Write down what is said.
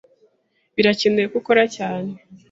Birakenewe ko ukora cyane.